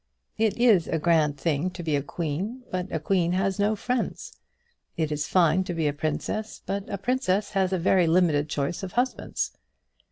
It is a grand thing to be a queen; but a queen has no friends. It is fine to be a princess; but a princess has a very limited choice of husbands.